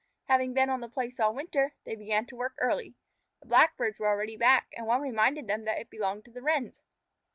Having been on the place all winter, they began work early. The Blackbirds were already back, and one reminded them that it belonged to the Wrens.